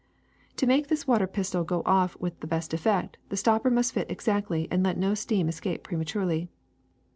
To make this water pistol go off with the best effect, the stopper must fit exactly and let no steam escape prematurely.